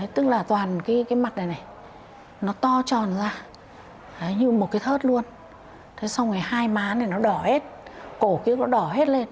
tức là toàn cái mặt này này nó to tròn ra như một cái thớt luôn thế xong rồi hai má này nó đỏ hết cổ kia nó đỏ hết lên